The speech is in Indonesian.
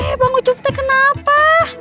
eh bang ucup deh kenapa